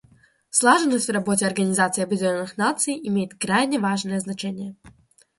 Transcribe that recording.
Слаженность в работе Организации Объединенных Наций имеет крайне важное значение.